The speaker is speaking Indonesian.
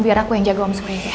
biar aku yang jaga om suri ya